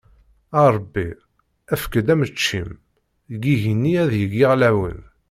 A Ṛebbi efk-d ameččim, deg yigenni ad yegg iɛlawen.